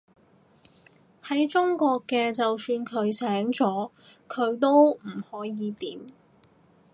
喺中國嘅，就算佢醒咗，佢都唔可以點